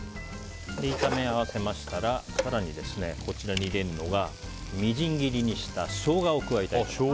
炒め合わせましたら更に、こちらに入れるのがみじん切りにしたショウガです。